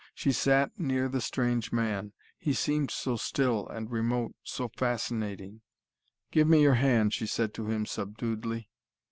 She sat near the strange man. He seemed so still and remote so fascinating. "Give me your hand," she said to him, subduedly.